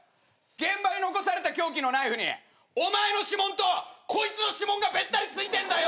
現場に残された凶器のナイフにお前の指紋とこいつの指紋がべったり付いてんだよ！